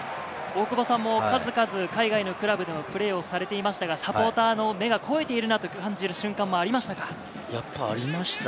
大久保さんも数々海外のクラブでのプレーをされていましたが、サポーターの目が肥えているなという瞬間もありましたか？